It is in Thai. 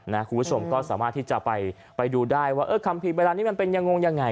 คุณผู้ชมก็สามารถที่จะไปดูได้ว่าเออคำผิดเวลานี้มันเป็นยังไงงงยังไง